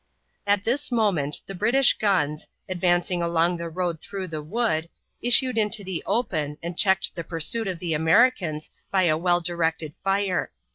At this moment the British guns, advancing along the road through the wood, issued into the open and checked the pursuit of the Americans by a well directed fire.